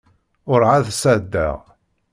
Ur εad ṣaddeɣ.